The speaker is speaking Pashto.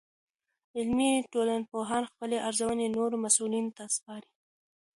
عملي ټولنپوهان خپلې ارزونې نورو مسؤلینو ته سپاري.